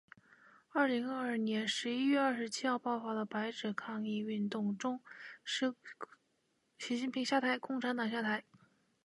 二零二二年十一月二十七号爆发的白纸抗议运动中，中国十几个省份抗议群众的口号包括“习近平下台，共产党下台”